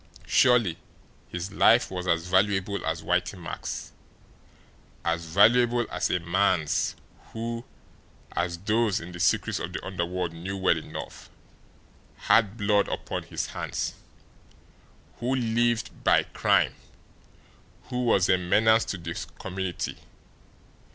Surely his life was as valuable as Whitey Mack's, as valuable as a man's who, as those in the secrets of the underworld knew well enough, had blood upon his hands, who lived by crime, who was a menace to the community!